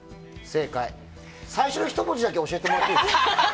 最初の１文字だけ教えてもらっていいですか？